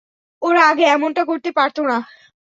ওরা আগে এমনটা করতে পারত না।